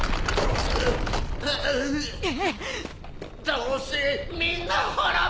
どうせみんな滅ぶ！